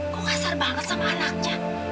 kok kasar banget sama anaknya